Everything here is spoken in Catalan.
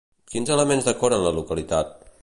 Quins elements decoren la localitat?